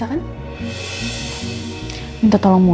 ya kat clar centered kalimah